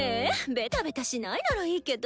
ベタベタしないならいーけど。